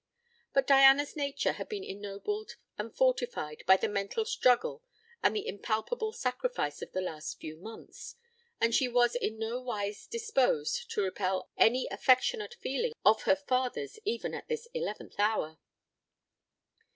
But Diana's nature had been ennobled and fortified by the mental struggle and the impalpable sacrifice of the last few months, and she was in nowise disposed to repel any affectionate feeling of her father's even at this eleventh hour.